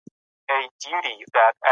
رښتینولي باید زموږ د ژوند اصل وي.